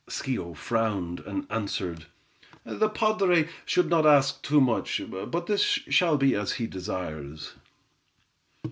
Schio frowned, and answered, "The padre should not ask too much; but this shall be as he desires."